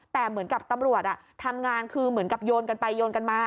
แต่เหมือนกับตำรวจทำงานคือเหมือนกับโยนกันไปโยนกันมา